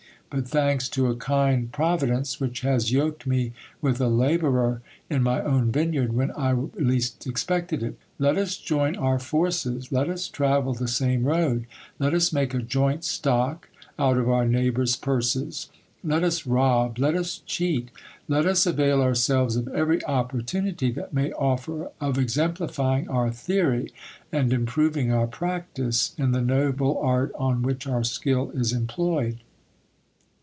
But thanks to a kind providence, which has yoked me with a labourer in my own vineyard, when I least expected it Let us join our forces, let us travel the same road, let us make a joint stock out of our neighbours' purses, let us rob, let us cheat, let us avail ourselves of every opportunity that may offer of exemplifying our theory, and improving our practice, in the noble art on which our skill is employed.